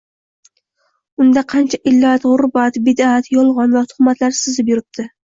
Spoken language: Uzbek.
Unda qancha illat, g`urbat, bid`at, yolg`on va tuhmatlar suzib yuribdi